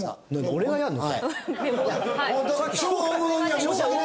俺がやるの？